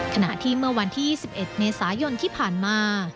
ขณะที่เมื่อวันที่๒๑เมษายนที่ผ่านมา